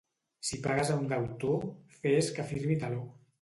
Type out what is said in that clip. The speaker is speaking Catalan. Si pagues a un deutor, fes que firmi taló.